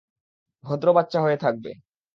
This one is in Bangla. ভদ্র বাচ্চা হয়ে থাকবে।